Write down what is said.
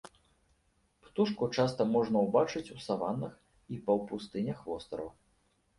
Птушку часта можна ўбачыць у саваннах і паўпустынях вострава.